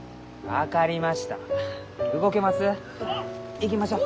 行きましょう。